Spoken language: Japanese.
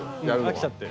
飽きちゃって。